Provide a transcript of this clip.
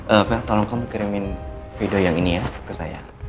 evel tolong kamu kirimin video yang ini ya ke saya